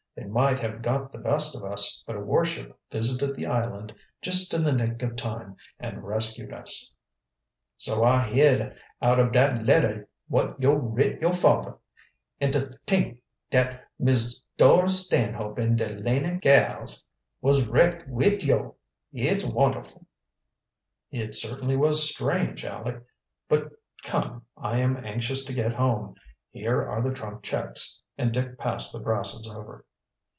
They might have got the best of us, but a warship visited the island just in the nick of time and rescued us." "So I heared out ob dat letter wot yo' writ yo' father. An' to t'ink dat Miss Dora Stanhope and de Laning gals was wrecked wid yo'! It's wonderful!" "It certainly was strange, Aleck. But, come, I am anxious to get home. Here are the trunk checks," and Dick passed the brasses over.